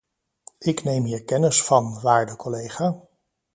Ik neem hier kennis van, waarde collega.